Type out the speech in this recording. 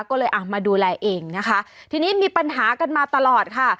ก็เลยอ่ะมาดูแลเองนะคะทีนี้มีปัญหากันมาตลอดค่ะ